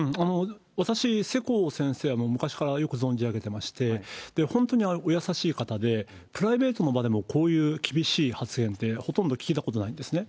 私、世耕先生は昔からよく存じ上げておりまして、本当にお優しい方で、プライベートの場でも、こういう厳しい発言って、ほとんど聞いたことないんですね。